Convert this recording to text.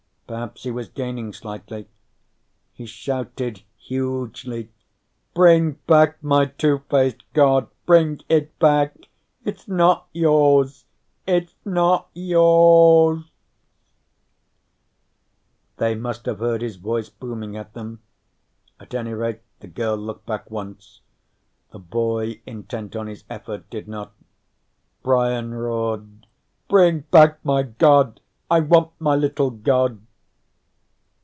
Perhaps he was gaining slightly. He shouted hugely: "Bring back my two faced god! Bring it back! It's not yours. It's not yours!" They must have heard his voice booming at them. At any rate, the girl looked back once. The boy, intent on his effort, did not. Brian roared: "Bring back my god! I want my little god!"